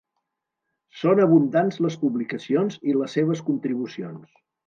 Són abundants les publicacions i les seves contribucions.